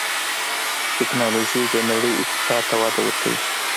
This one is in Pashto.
ټکنالوجي د نړۍ اقتصاد ته وده ورکوي.